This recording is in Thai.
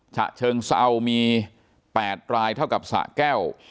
ฉะเชิงเซามี๘รายเท่ากับสะแก้ว